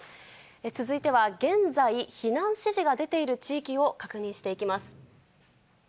続いては現在、避難指示が出ている地域を確認していきます。